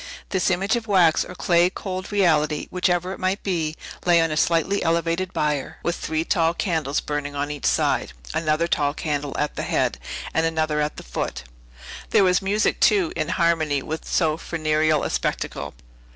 This image of wax or clay cold reality, whichever it might be, lay on a slightly elevated bier, with three tall candles burning on each side, another tall candle at the head, and another at the foot. There was music, too; in harmony with so funereal a spectacle.